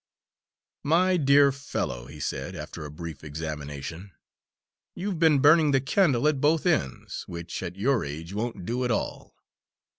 "My dear fellow," he said, after a brief examination, "you've been burning the candle at both ends, which, at your age won't do at all.